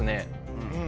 うん。